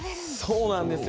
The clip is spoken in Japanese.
そうなんですよ。